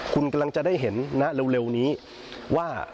คุณกำลังจะได้เห็นนะเร็วนี้ว่า